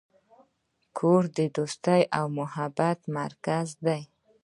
کور د دوستۍ او محبت مرکز دی.